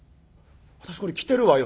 「私これ着てるわよ」。